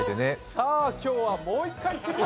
「さあ、今日はもう一回いってみよう！」